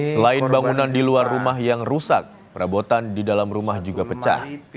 selain bangunan di luar rumah yang rusak perabotan di dalam rumah juga pecah